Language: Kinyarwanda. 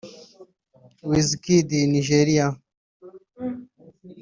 Wizkid (Nigeria)